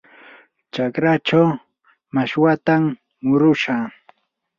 chakraachaw mashwatam murushaq.